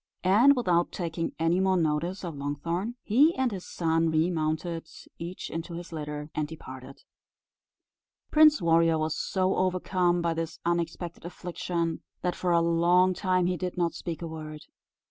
And without taking any more notice of Longthorn, he and his son remounted each into his litter, and departed. Prince Warrior was so overcome by this unexpected affliction, that for a long time he did not speak a word.